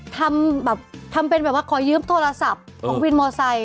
ทำแบบทำเป็นแบบว่าขอยืมโทรศัพท์ของวินมอไซค